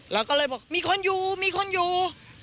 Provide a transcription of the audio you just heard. แล้วก็เลยบอกมีคนอยู่มีคนอยู่